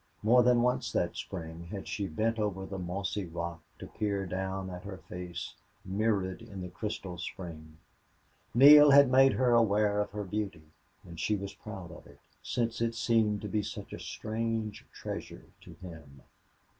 More than once that spring had she bent over the mossy rock to peer down at her face mirrored in the crystal spring. Neale had made her aware of her beauty, and she was proud of it, since it seemed to be such a strange treasure to him.